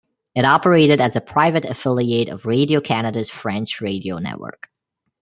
It operated as a private affiliate of Radio-Canada's French radio network.